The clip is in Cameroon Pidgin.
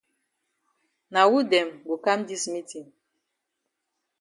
Na wu dem go kam dis meetin?